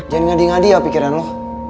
jangan ngadi ngadi ya pikiran loh